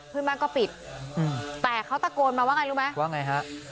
เพื่อนบ้านก็ปิดแต่เขาตะโกนมาว่าไงรู้ไหมว่าไงฮะ